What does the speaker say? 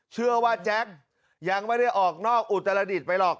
เชื่อว่าแจ็คยังไม่ได้ออกนอกอุตรดิษฐ์ไปหรอก